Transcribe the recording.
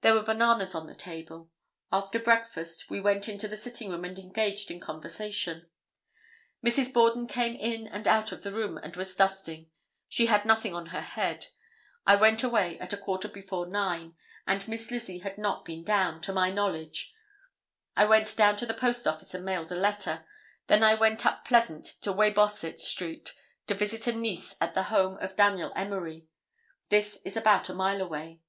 There were bananas on the table. After breakfast we went into the sitting room and engaged in conversation. Mrs. Borden came in and out of the room, and was dusting. She had nothing on her head. I went away at a quarter before 9, and Miss Lizzie had not been down, to my knowledge. I went down to the post office and mailed a letter. Then I went up Pleasant to Weybosset street to visit a niece at the home of Daniel Emery. This is about a mile away."